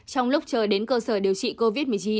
trong lúc chờ đến cơ sở điều trị covid một mươi chín